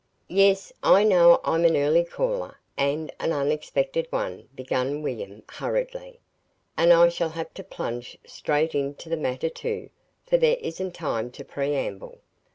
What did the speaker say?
"Yes, I know I'm an early caller, and an unexpected one," began William, hurriedly. "And I shall have to plunge straight into the matter, too, for there isn't time to preamble.